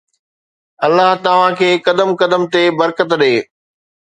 الله توهان کي قدم قدم تي برڪت ڏي.